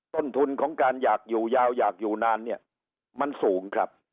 ต้นทุนของการอยากอยู่ยาวอยากอยู่นานเนี่ยมันสูงครับ